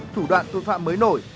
thủ đoạn tội phạm mới nổi